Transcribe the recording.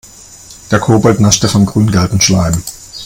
Der Kobold naschte vom grüngelben Schleim.